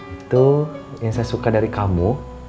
itu yang saya suka dari kamu